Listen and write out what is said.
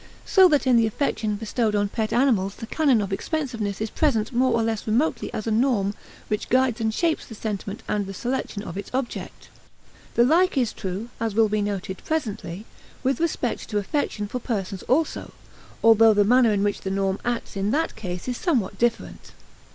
So that in the affection bestowed on pet animals the canon of expensiveness is present more or less remotely as a norm which guides and shapes the sentiment and the selection of its object. The like is true, as will be noticed presently, with respect to affection for persons also; although the manner in which the norm acts in that case is somewhat different.